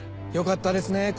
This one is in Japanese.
よかったですね